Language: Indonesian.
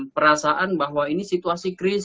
perasaan bahwa ini situasi kris